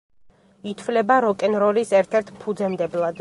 ითვლება როკ-ენ-როლის ერთ-ერთ ფუძემდებლად.